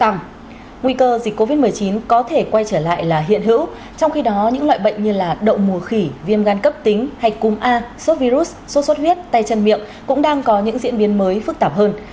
nguy cơ dịch covid một mươi chín có thể quay trở lại là hiện hữu trong khi đó những loại bệnh như đậu mùa khỉ viêm gan cấp tính hay cúm a sốt virus sốt sốt huyết tay chân miệng cũng đang có những diễn biến mới phức tạp hơn